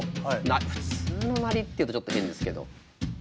「普通の鳴り」って言うとちょっと変ですけど。